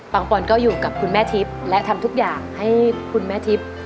ปอนก็อยู่กับคุณแม่ทิพย์และทำทุกอย่างให้คุณแม่ทิพย์